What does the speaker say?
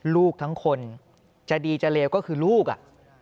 ลูกทั้งคนจะดีจะเลวก็คือลูกอ่ะ